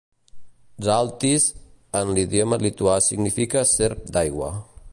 Zaltys en l"idioma lituà significa serp d'aigua.